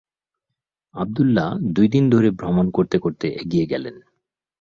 আবদুল্লাহ দুইদিন ধরে ভ্রমণ করতে করতে এগিয়ে গেলেন।